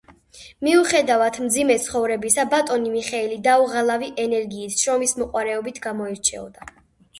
მიუხედავად მძიმე ცხოვრებისა, ბატონი მიხეილი დაუღალავი ენერგიით, შრომისმოყვარეობით გამოირჩეოდა.